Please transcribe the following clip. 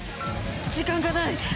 時間がない！